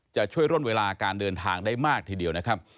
จะช่วยร่นเวลาการเดินทางได้มากทีเดียวนะครับ